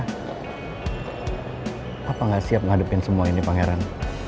papa gak siap ngadepin semua ini pangeran